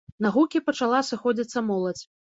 На гукі пачала сыходзіцца моладзь.